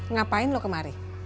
ngapain lu kemari